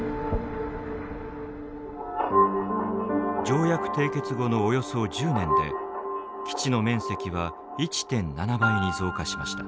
条約締結後のおよそ１０年で基地の面積は１．７倍に増加しました。